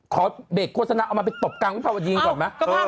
ขอเบรกโฆษณาเอามาไปตบกลางวิภาวดีก่อนไหม